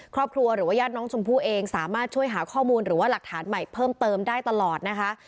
หรือว่าญาติน้องชมพู่เองสามารถช่วยหาข้อมูลหรือว่าหลักฐานใหม่เพิ่มเติมได้ตลอดนะคะ